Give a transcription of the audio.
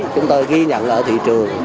chúng tôi ghi nhận ở thị trường